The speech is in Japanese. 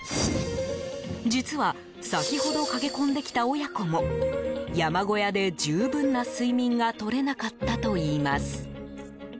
実は先ほど駆け込んできた親子も山小屋で十分な睡眠が取れなかったといいます。